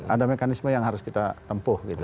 ada mekanisme yang harus kita tempuh gitu